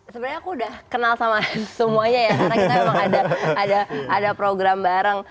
sebenarnya aku udah kenal sama semuanya ya karena kita memang ada program bareng